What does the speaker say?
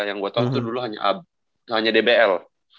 yang gue tau tuh dulu hanya dbl